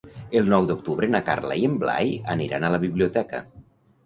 El nou d'octubre na Carla i en Blai aniran a la biblioteca.